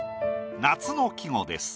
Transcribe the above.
夏の季語です。